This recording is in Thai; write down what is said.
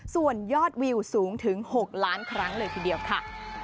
ส่วนยอดวิวสูงถึง๖ล้านครั้งเลยทีเดียวค่ะ